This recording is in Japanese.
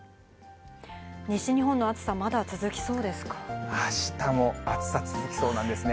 西日本の暑さ、あしたも暑さ続きそうなんですね。